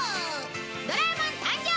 『ドラえもん』誕生日